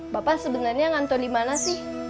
bapak sebenarnya ngantor di mana sih